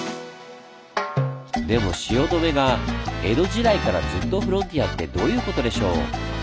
でも汐留が江戸時代からずっとフロンティアってどういうことでしょう？